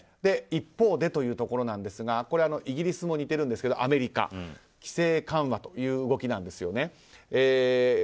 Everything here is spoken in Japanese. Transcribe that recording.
一方でというところですがイギリスも似てるんですけどアメリカ規制緩和の動きなんですね。